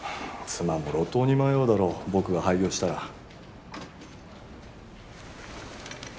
妻も路頭に迷うだろう僕が廃業したら。